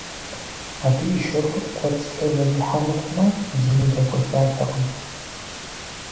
Абы и щэхур кӀуэцӀкӀэ зэрихьэ мыхъумэ, зыми дэгуэшатэкъым.